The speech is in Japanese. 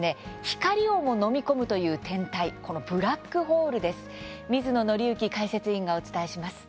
光をも飲み込むという天体このブラックホールです。